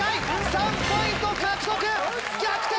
３ポイント獲得逆転！